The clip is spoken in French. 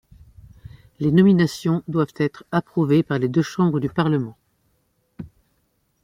Les nominations doivent être approuvées par les deux chambres du Parlement.